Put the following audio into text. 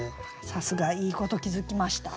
さすがいいこと気付きました。